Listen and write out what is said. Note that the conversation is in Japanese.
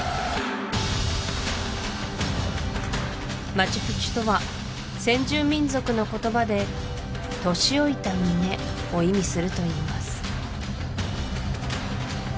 マチュピチュとは先住民族の言葉で年老いた峰を意味するといいます